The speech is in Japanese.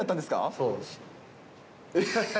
そうですね。